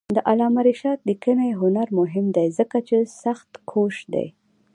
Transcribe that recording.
د علامه رشاد لیکنی هنر مهم دی ځکه چې سختکوش دی.